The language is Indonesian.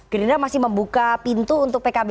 gerindra masih membuka pintu untuk pkb